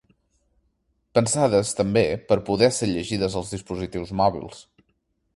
Pensades, també, per a poder ser llegides als dispositius mòbils.